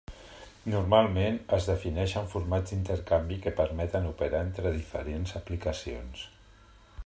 Normalment, es defineixen formats d'intercanvi que permeten operar entre diferents aplicacions.